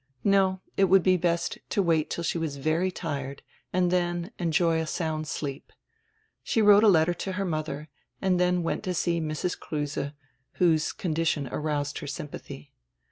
No, it would be best to wait till she was very tired and dien enjoy a sound sleep. She wrote a letter to her mother and dien went to see Mrs. Kruse, whose con dition aroused her sympathy.